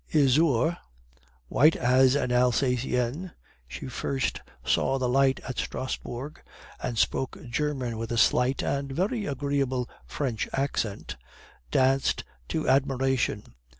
"Isaure, white as an Alsacienne (she first saw the light at Strasbourg, and spoke German with a slight and very agreeable French accent), danced to admiration.